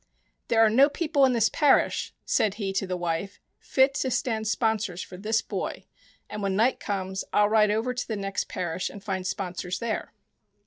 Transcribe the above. " There are no people in the parish," said he to the wife, " fit to stand sponsors for this boy, and when night comes I'll ride over to the next parish and find sponsors there."